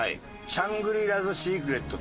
シャングリラズシークレット。